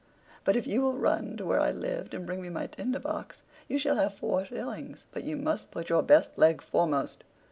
But if you will run to where I lived and bring me my Tinder box, you shall have four shillings: but you must put your best leg foremost."